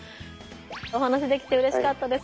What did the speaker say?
お話しできてうれしかったです。